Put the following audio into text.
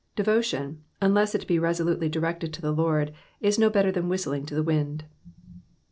Devotion, unless it be resolutely directed to the Lord, is no better than whistling to the wind.